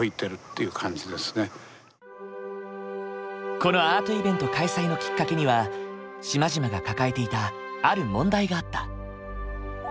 このアートイベント開催のきっかけには島々が抱えていたある問題があった。